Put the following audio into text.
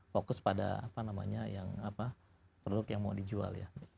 fokus pada apa namanya yang produk yang mau dijual ya